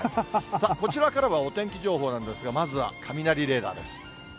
こちらからはお天気情報なんですが、まずは雷レーダーです。